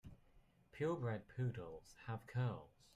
Pure bred poodles have curls.